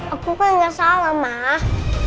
aku kan gak salah mah